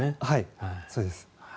はい、そうです。